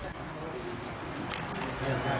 นี่ก็ได้